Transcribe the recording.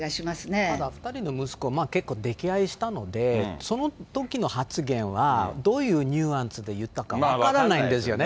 ただ、２人の息子、結構溺愛したので、そのときの発言はどういうニュアンスで言ったか分からないんですよね。